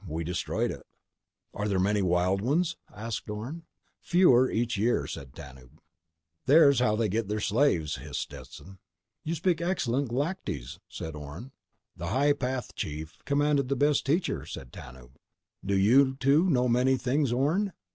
We destroyed it." "Are there many ... wild ones?" asked Orne. "Fewer each year," said Tanub. "There's how they get their slaves," hissed Stetson. "You speak excellent Galactese," said Orne. "The High Path Chief commanded the best teacher," said Tanub. "Do you, too, know many things, Orne?"